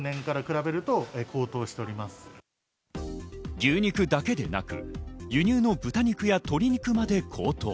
牛肉だけでなく、輸入の豚肉や鶏肉まで高騰。